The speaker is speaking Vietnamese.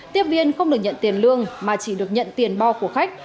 tiếp viên không được nhận tiền lương mà chỉ được nhận tiền bo của khách